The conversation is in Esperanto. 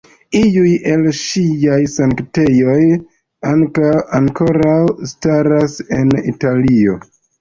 Iuj el ŝiaj sanktejoj ankoraŭ staras en Italio.